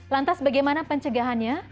lantas bagaimana pencegahannya